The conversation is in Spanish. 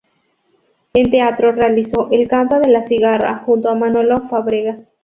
En teatro realizó "El canto de la cigarra", junto a Manolo Fábregas.